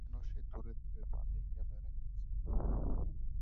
কেন সে দূরে দূরে পালাইয়া বেড়াইতেছে।